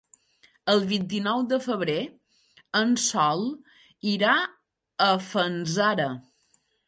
El vint-i-nou de febrer en Sol irà a Fanzara.